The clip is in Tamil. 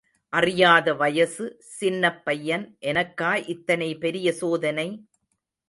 அறியாத வயசு, சின்னப் பையன் எனக்கா இத்தனை பெரிய சோதனை.